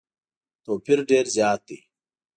توپیر ډېر زیات دی.